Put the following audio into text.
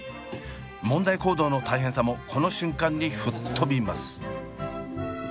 問題行動の大変さもこの瞬間に吹っ飛びます。